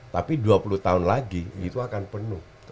tapi dua puluh tahun lagi itu akan penuh